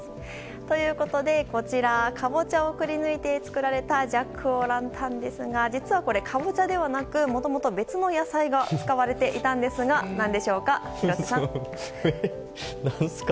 ということで、こちらカボチャをくりぬいて作られたジャック・オー・ランタンですが実はこれ、カボチャではなく別の野菜が使われていたんですが何だと思いますか？